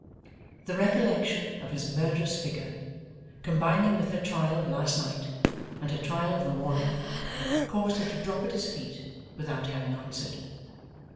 The recollection of his murderous figure, combining with her trial of last night, and her trial of the morning, caused her to drop at his feet, without having answered.